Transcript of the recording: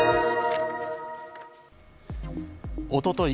おととい